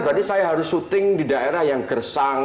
berarti saya harus syuting di daerah yang kersang